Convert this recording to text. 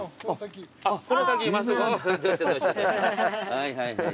はいはいはい。